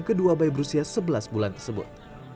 kedua bayi berusia sebelas bulan tersebut